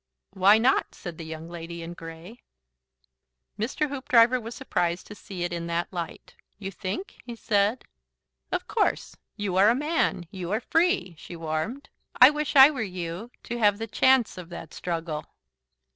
"Why not?" said the Young Lady in Grey. Mr. Hoopdriver was surprised to see it in that light. "You think?" he said. "Of course. You are a Man. You are free " She warmed. "I wish I were you to have the chance of that struggle."